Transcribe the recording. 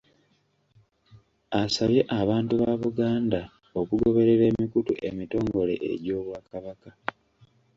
Asabye abantu ba Buganda okugoberera emikutu emitongole egy'Obwakabaka